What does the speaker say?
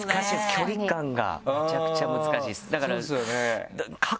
距離感がめちゃくちゃ難しいですだから。